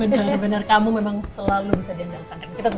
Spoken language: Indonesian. benar benar kamu memang selalu bisa diandalkan